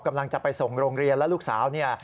กำลังจะไปส่งโรงเรียนแล้วลูกสาวเนี่ย